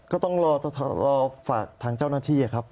ก็ต้องรอฝากทางเจ้าหน้าที่ครับ